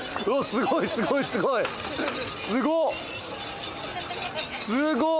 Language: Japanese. すごいすごいすごいすごっすごっ！